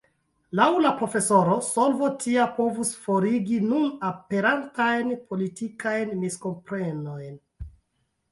Laŭ la profesoro, solvo tia povus forigi nun aperantajn politikajn miskomprenojn.